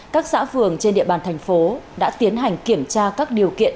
các xã phường trên địa bàn thành phố đã tiến hành kiểm tra các điều kiện